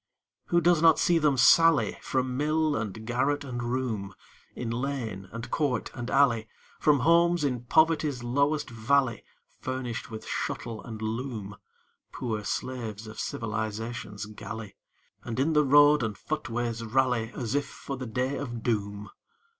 Who does not see them sally From mill, and garret, and room, In lane, and court and alley, From homes in poverty's lowest valley, Furnished with shuttle and loom Poor slaves of Civilization's galley And in the road and footways rally, As if for the Day of Doom?